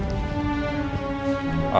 terima kasih pak